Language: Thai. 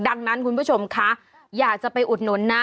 ดังนั้นคุณผู้ชมคะอยากจะไปอุดหนุนนะ